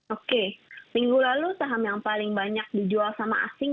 oke minggu lalu saham yang paling banyak dijual sama asing